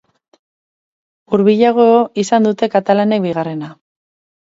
Hurbilago izan dute katalanek bigarrena.